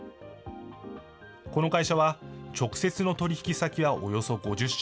この会社は、直接の取り引き先はおよそ５０社。